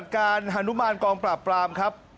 การฮานุมานกองปราบปรามครับ